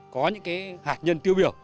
có những hạt nhân tiêu biểu